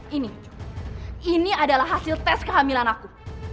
ini ini adalah hasil tes kehamilan aku